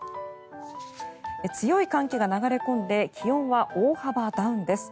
強い寒気が流れ込んで気温は大幅ダウンです。